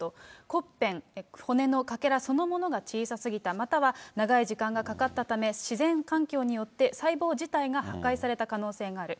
骨片、骨のかけらそのものが小さすぎた、または長い時間がかかったため、自然環境によって細胞自体が破壊された可能性がある。